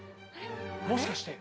もしかして。